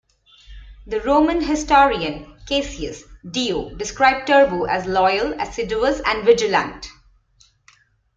The Roman historian Cassius Dio described Turbo as "loyal, assiduous and vigilant."